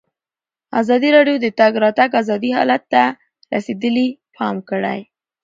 ازادي راډیو د د تګ راتګ ازادي حالت ته رسېدلي پام کړی.